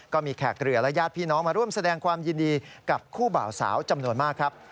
แขกเรือและญาติพี่น้องมาร่วมแสดงความยินดีกับคู่บ่าวสาวจำนวนมากครับ